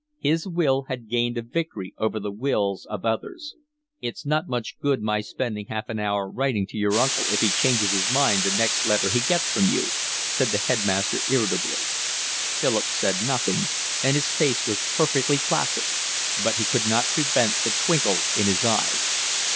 His will had gained a victory over the wills of others. "It's not much good my spending half an hour writing to your uncle if he changes his mind the next letter he gets from you," said the headmaster irritably. Philip said nothing, and his face was perfectly placid; but he could not prevent the twinkle in his eyes.